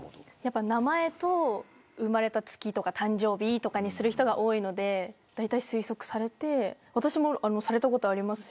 名前と生まれた月とか誕生日にする人が多いのでだいたい推測されて私もされたことありますし。